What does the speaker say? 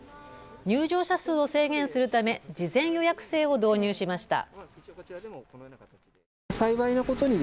入場者数を制限するため事前予約制を導入しました。